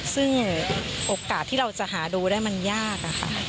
ซึ่งโอกาสที่เราจะหาดูได้มันยากอะค่ะ